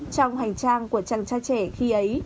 trong hành trang của chàng trai trẻ khi ấy